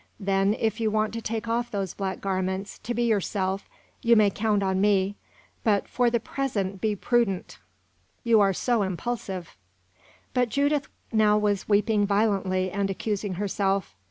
Then, if you want to take off those black garments, to be yourself, you may count on me; but, for the present, be prudent. You are so impulsive." But Judith now was weeping violently and accusing herself.